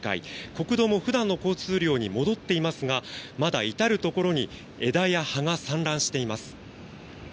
国道も普段の交通量に戻っていますがまだ至るところに枝や葉が散乱しています。